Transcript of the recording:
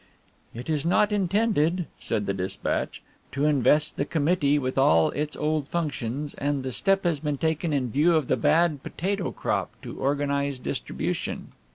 "It is not intended," said the dispatch, "to invest the committee with all its old functions, and the step has been taken in view of the bad potato crop to organize distribution."